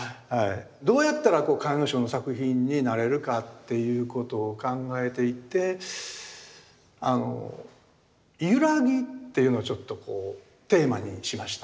どうやったら甲斐荘の作品になれるかっていうことを考えていって「ゆらぎ」っていうのをちょっとこうテーマにしました。